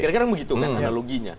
kira kira begitu kan analoginya